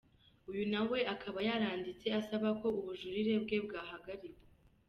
Uyu na we akaba yaranditse asaba ko ubujurire bwe bwahagarikwa.